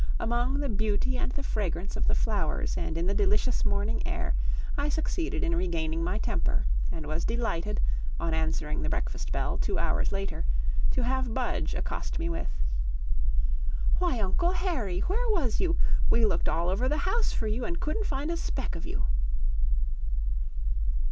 Among the beauty and the fragrance of the flowers, and in the delicious morning air, I succeeded in regaining my temper, and was delighted, on answering the breakfast bell, two hours later, to have Budge accost me with: "Why, Uncle Harry, where was you? We looked all over the house for you, and couldn't find a speck of you."